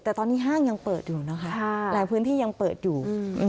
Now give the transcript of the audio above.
แต่ตอนนี้ห้างยังเปิดอยู่นะคะหลายพื้นที่ยังเปิดอยู่